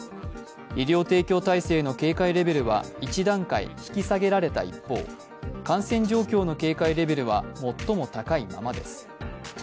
医療提供体制の警戒レベルは１段階引き下げられた一方感染状況の警戒レベルは最も高いままです。